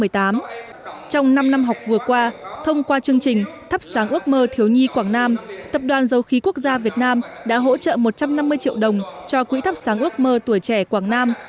trong năm năm học vừa qua thông qua chương trình thắp sáng ước mơ thiếu nhi quảng nam tập đoàn dầu khí quốc gia việt nam đã hỗ trợ một trăm năm mươi triệu đồng cho quỹ thắp sáng ước mơ tuổi trẻ quảng nam